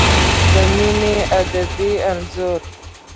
د مینې ادبي انځور